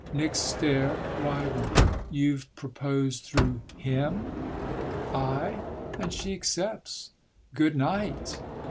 '" Nick's stare widened. "You've proposed through him?" "Aye, and she accepts. Good night!"